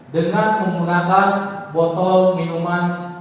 dengan menggunakan botol minuman